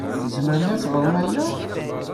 Tzemrem ad ɣṛem aya?